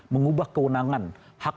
mengubah kewenangan hak